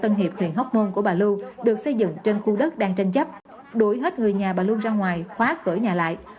tòa án nhân dân huyện hóc môn của bà lưu được xây dựng trên khu đất đang tranh chấp đuổi hết người nhà bà lưu ra ngoài khóa cửa nhà lại